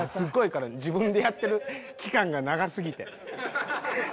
自分でやってる期間が長すぎて。